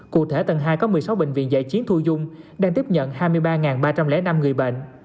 cụ thể tầng hai có một mươi sáu bệnh viện giải chiến thu dung đang tiếp nhận hai mươi ba ba trăm linh năm người bệnh